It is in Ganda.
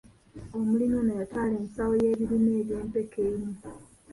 Omulimi ono yatwala ensawo y'ebirime eby'empeke emu.